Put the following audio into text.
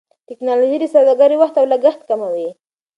ټکنالوژي د سوداګرۍ وخت او لګښت کموي.